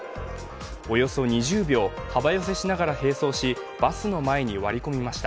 およそ２０秒、幅寄せしながら並走しバスの前に割り込みました。